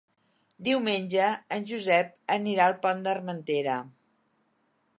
Diumenge en Josep anirà al Pont d'Armentera.